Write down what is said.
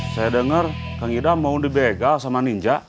saya denger kang ida mau dibegal sama ninja